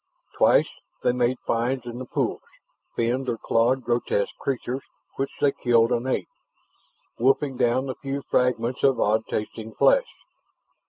Twice they made finds in the pools, finned or clawed grotesque creatures, which they killed and ate, wolfing down the few fragments of odd tasting flesh.